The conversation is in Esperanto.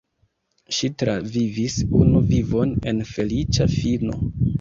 Ŝi travivis unu vivon sen feliĉa fino.